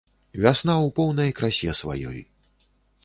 Вясна ў поўнай красе сваёй.